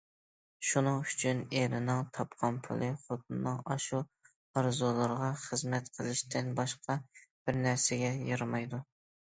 شۇنىڭ ئۈچۈن ئېرىنىڭ تاپقان پۇلى خوتۇنىنىڭ ئاشۇ ئارزۇلىرىغا خىزمەت قىلىشتىن باشقا بىر نەرسىگە يارىمايدۇ.